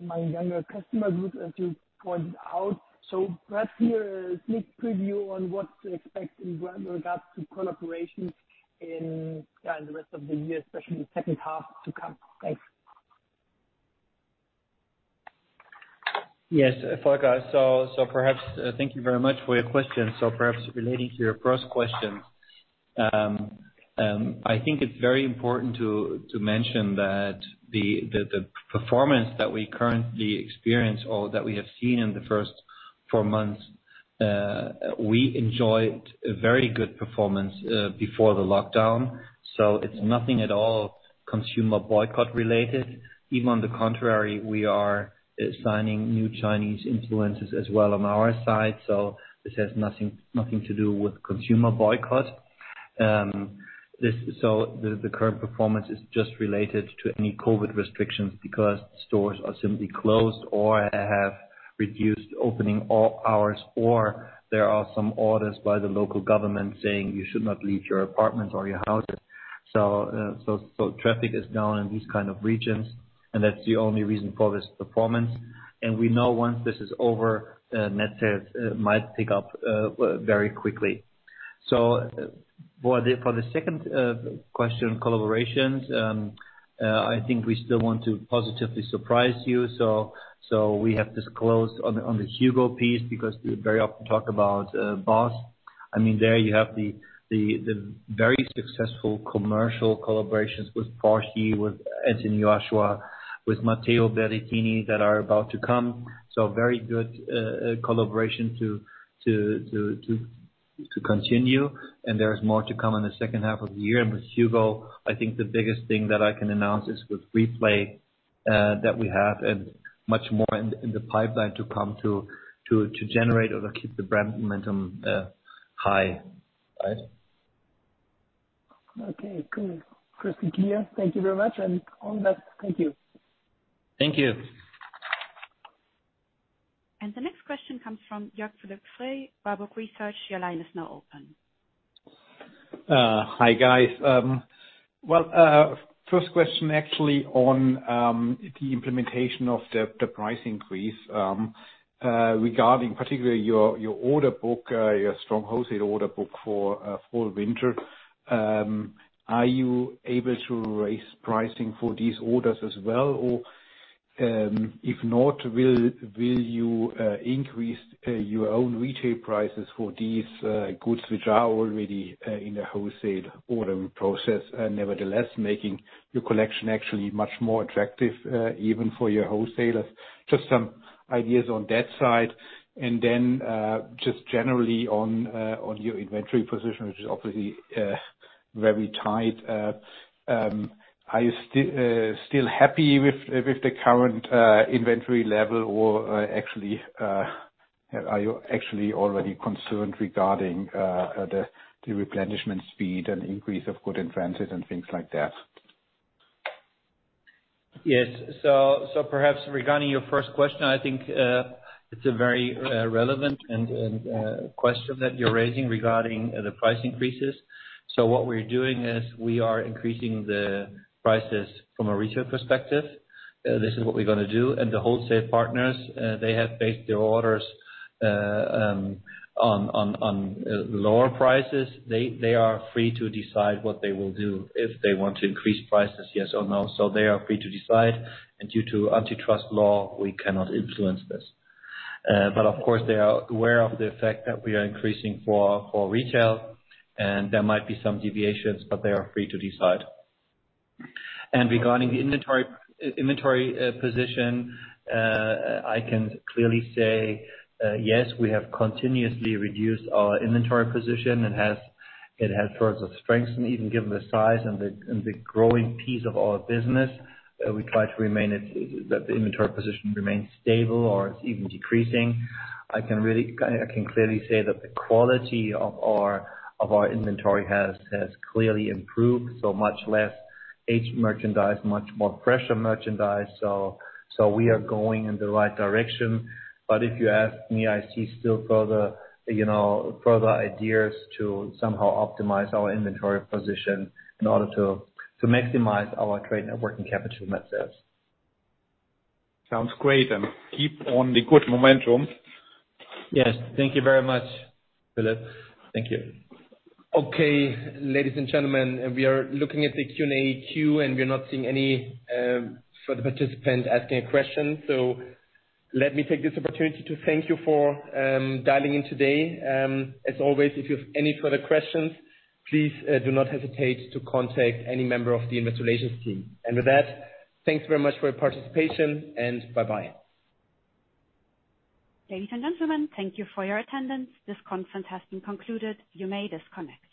among younger customer group, as you pointed out. So perhaps here a sneak preview on what to expect in regards to collaborations in the rest of the year, especially in the second half to come. Thanks. Yes, Volker Bosse. Perhaps thank you very much for your question. Perhaps relating to your first question. I think it's very important to mention that the performance that we currently experience or that we have seen in the first four months, we enjoyed a very good performance before the lockdown. It's nothing at all consumer boycott related. Even on the contrary, we are signing new Chinese influencers as well on our side. This has nothing to do with consumer boycott. The current performance is just related to any COVID restrictions because stores are simply closed or have reduced opening hours, or there are some orders by the local government saying you should not leave your apartment or your houses. traffic is down in these kind of regions, and that's the only reason for this performance. We know once this is over, net sales might pick up very quickly. For the second question, collaborations, I think we still want to positively surprise you. We have disclosed on the HUGO piece because we very often talk about BOSS. I mean, there you have the very successful commercial collaborations with Porsche, with Anthony Joshua, with Matteo Berrettini that are about to come. Very good collaboration to continue. There's more to come in the second half of the year. With HUGO, I think the biggest thing that I can announce is with Replay, that we have and much more in the pipeline to come to generate or keep the brand momentum high. Right? Okay, cool. Christine here. Thank you very much. On that, thank you. Thank you. The next question comes from Jörg Philipp Frey, Baader Helvea Equity Research. Your line is now open. Hi, guys. Well, first question actually on the implementation of the price increase. Regarding particularly your order book, your strong wholesale order book for fall/winter. Are you able to raise pricing for these orders as well? Or, if not, will you increase your own retail prices for these goods which are already in the wholesale ordering process, nevertheless, making your collection actually much more attractive, even for your wholesalers? Just some ideas on that side. Just generally on your inventory position, which is obviously very tight. Are you still happy with the current inventory level? Actually, are you actually already concerned regarding the replenishment speed and increase of goods entries and things like that? Yes. Perhaps regarding your first question, I think, it's a very relevant question that you're raising regarding the price increases. What we're doing is we are increasing the prices from a retail perspective. This is what we're gonna do. The wholesale partners, they have based their orders on lower prices. They are free to decide what they will do if they want to increase prices, yes or no. They are free to decide. Due to antitrust law, we cannot influence this. But of course, they are aware of the fact that we are increasing for retail and there might be some deviations, but they are free to decide. Regarding the inventory position, I can clearly say, yes, we have continuously reduced our inventory position. It has sort of strengthened, even given the size and the growing piece of our business. We try to maintain it, that the inventory position remains stable or it's even decreasing. I can clearly say that the quality of our inventory has clearly improved. Much less aged merchandise, much more fresher merchandise, so we are going in the right direction. If you ask me, I see still further, you know, further ideas to somehow optimize our inventory position in order to maximize our trade net working capital metrics. Sounds great. Keep on the good momentum. Yes. Thank you very much, Philipp. Thank you. Okay, ladies and gentlemen, we are looking at the Q&A queue, and we are not seeing any further participant asking a question. Let me take this opportunity to thank you for dialing in today. As always, if you have any further questions, please do not hesitate to contact any member of the investor relations team. With that, thanks very much for your participation and bye-bye. Ladies and gentlemen, thank you for your attendance. This conference has been concluded. You may disconnect.